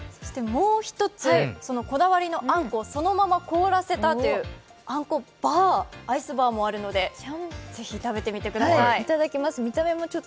もう１つ、こだわりのあんこをそのまま凍らせたというあんこバー、アイスバーもあるのでぜひ食べてみてください。